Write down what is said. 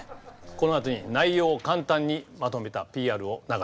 このあとに内容を簡単にまとめたＰＲを流します。